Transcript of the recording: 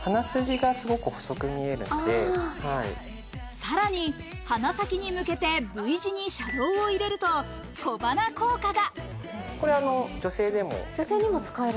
さらに鼻先に向けてＶ字にシャドーを入れると、小鼻効果が。